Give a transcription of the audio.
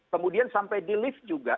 kemudian sampai di lift juga